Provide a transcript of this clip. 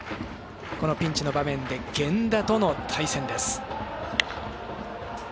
ピンチの場面で源田との対戦です。